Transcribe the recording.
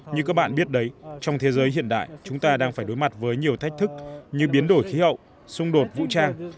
như các bạn biết đấy trong thế giới hiện đại chúng ta đang phải đối mặt với nhiều thách thức như biến đổi khí hậu xung đột vũ trang